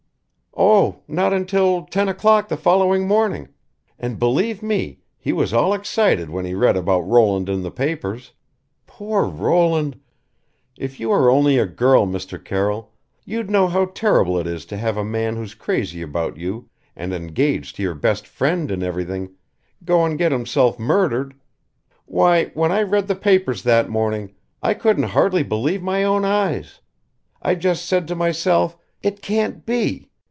"Oh! not until ten o'clock the following morning. And believe me, he was all excited when he read about Roland in the papers. Poor Roland! If you were only a girl, Mr. Carroll you'd know how terrible it is to have a man who's crazy about you and engaged to your best friend and everything go and get himself murdered. Why, when I read the papers that morning, I couldn't hardly believe my own eyes. I just said to myself 'it can't be!'